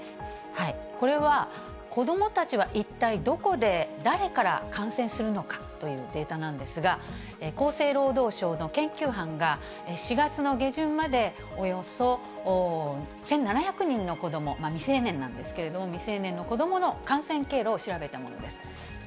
これは、子どもたちは一体、どこで誰から感染するのかというデータなんですが、厚生労働省の研究班が４月の下旬までおよそ１７００人の子ども、未成年なんですけれども、未成年の子どもの感染経路を調べたものです。